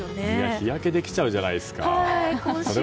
日焼けできちゃうじゃないですか。